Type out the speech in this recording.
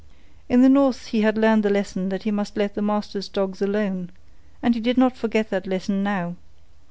In the north he had learned the lesson that he must let the master's dogs alone, and he did not forget that lesson now.